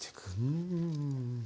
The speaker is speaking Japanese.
うん。